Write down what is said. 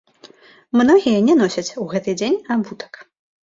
Многія не носяць у гэты дзень абутак.